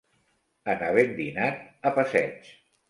En havent dinat, a passeig